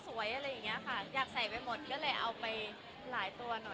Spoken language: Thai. คุณไม่ห่วงมากว่าใส่ชุดวิกินี่หรือเปล่า